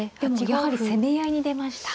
やはり攻め合いに出ました。